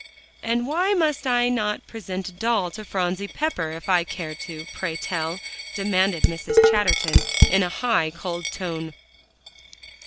"And why may I not present a doll to Phronsie Pepper, if I care to, pray tell?" demanded Mrs. Chatterton in a high, cold tone.